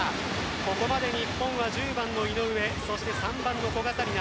ここまで日本は１０番の井上３番の古賀紗理那